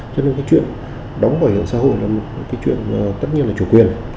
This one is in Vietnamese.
cho nên cái chuyện đóng bảo hiểm xã hội là một cái chuyện tất nhiên là chủ quyền